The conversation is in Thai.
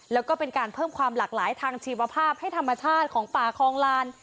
แล้วก็เป็นการเพิ่มความหลากหลายทางชีวภาพให้ธรรมชาติของป่าคลองลาน